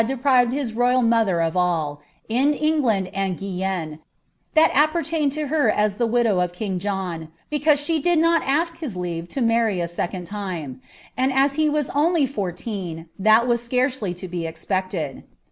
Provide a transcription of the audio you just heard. had ilepriveil his royal mother or all, in England mdGtiienne, ihat appertained to her as the widow of king John, because At (Ud not ack his leave to marr}' a sccuiid time ; and as he was only bnrtern, timl waa scarcely to be ex{>erted.